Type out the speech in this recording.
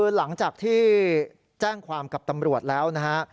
หลังจากที่แจ้งความกับตำรวจแล้วนะฮะ